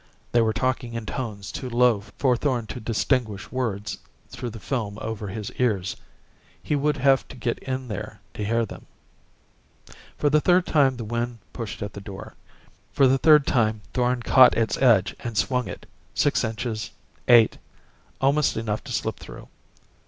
They were talking in tones too low for Thorn to distinguish words through the film over his ears. He would have to get in there to hear them. For the third time the wind pushed at the door. For the third time Thorn caught its edge and swung it six inches, eight, almost enough to slip through....